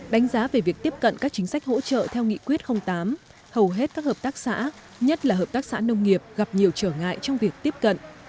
đánh giá về việc tiếp cận các chính sách hỗ trợ theo nghị quyết tám hầu hết các hợp tác xã nhất là hợp tác xã nông nghiệp gặp nhiều trở ngại trong việc tiếp cận